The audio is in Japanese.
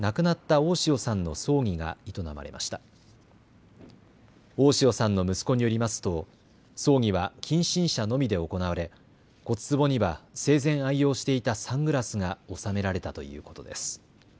大塩さんの息子によりますと葬儀は近親者のみで行われ骨つぼには生前愛用していたサングラスが納められたということです。